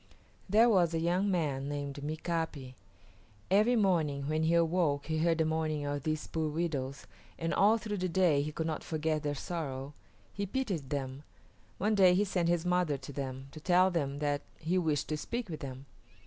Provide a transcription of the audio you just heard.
There was a young man named Mika´pi. Every morning when he awoke he heard the mourning of these poor widows, and all through the day he could not forget their sorrow. He pitied them. One day he sent his mother to them, to tell them that he wished to speak with them.